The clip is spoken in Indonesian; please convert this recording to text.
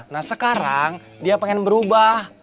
nah sekarang dia pengen berubah